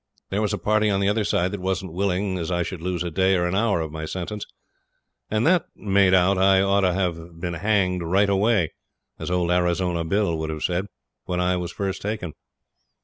There was a party on the other side that wasn't willing as I should lose a day or an hour of my sentence, and that made out I ought to have been hanged 'right away', as old Arizona Bill would have said, when I was first taken.